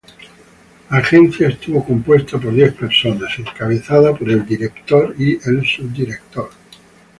La agencia estuvo compuesta por diez personas, encabezada por el director y subdirector.